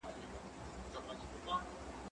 زه به سبا مېوې راټولې کړم،